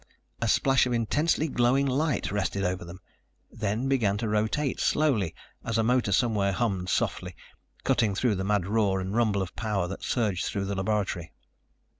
A splash of intensely glowing light rested over them, then began to rotate slowly as a motor somewhere hummed softly, cutting through the mad roar and rumble of power that surged through the laboratory.